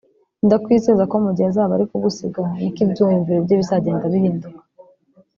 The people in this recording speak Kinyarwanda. ndakwizeza ko mu gihe azaba ari kugusiga niko ibyiyumviro bye bizagenda bihinduka